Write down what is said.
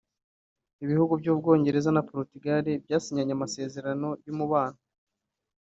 Ibihugu by’ubwongereza na Portugal byasinyanye amasezerano y’umubano